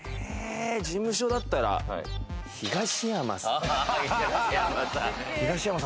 事務所だったら東山さん？